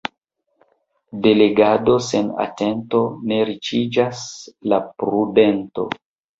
De legado sen atento ne riĉiĝas la prudento.